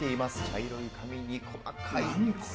茶色い紙に細かい。